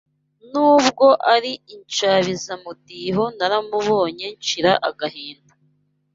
N’ubwo ari inshabizamudiho Naramubonye nshira agahinda